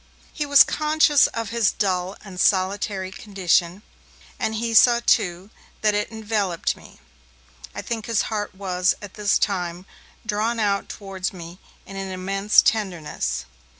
He was conscious of his dull and solitary condition, and he saw, too, that it enveloped me. I think his heart was, at this time, drawn out towards me in an immense tenderness.